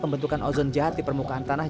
pembentukan ozon jahat di permukaan tanah